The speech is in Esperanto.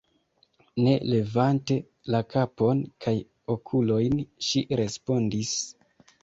Ne levante la kapon kaj okulojn, ŝi respondis: